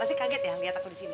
pasti kaget ya lihat aku disini